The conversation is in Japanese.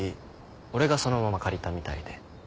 俺がそのまま借りたみたいで。